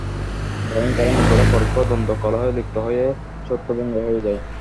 বরং তারা নিজেরা পরস্পর দ্বন্দ্ব-কলহে লিপ্ত হয়ে ছত্রভঙ্গ হয়ে যায়।